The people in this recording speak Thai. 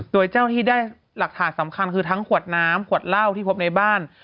โดยเจ้าที่ได้หลักฐานสำคัญคือทั้งขวดน้ำขวดเหล้าที่พบในบ้าน